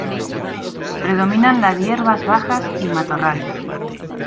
Predominan las hierbas bajas y matorrales.